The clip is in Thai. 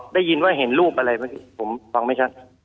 ได้ยินว่าเห็นรูปอะไรผมฟังไหมค่ะ